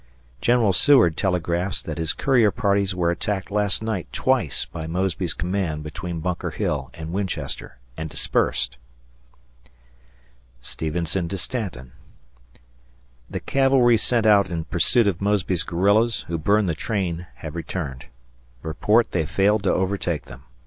General Seward telegraphs that his courier parties were attacked last night twice by Mosby's command between Bunker Hill and Winchester and dispersed. [Stevenson to Stanton] The cavalry sent out in pursuit of Mosby's guerrillas, who burned the train, have returned. Report they failed to overtake them.